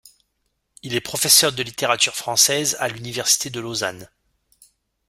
Il est professeur de littérature française à l’université de Lausanne.